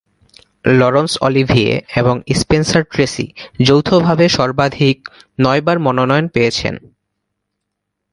লরন্স Olivier এবং Spencer Tracy যৌথভাবে সর্বাধিক নয়বার মনোনয়ন পেয়েছেন।